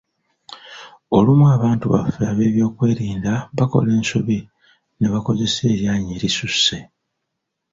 Olumu abantu baffe ab’ebyokwerinda bakola ensobi ne bakozesa eryanyi erisusse.